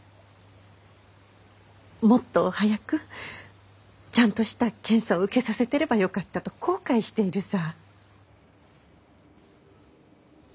もっと早くちゃんとした検査を受けさせてればよかったと後悔しているさ。